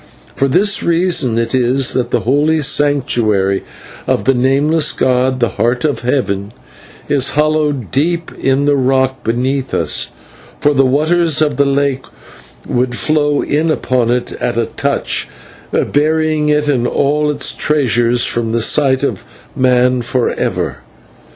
For this reason it is that the holy sanctuary of the Nameless god, the Heart of Heaven, is hollowed deep in the rock beneath us, for the waters of the lake would flow in upon it at a touch, burying it and all its treasures from the sight of man for ever.